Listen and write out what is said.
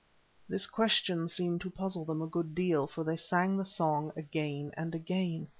This question seemed to puzzle them a good deal, for they sang the song again and again.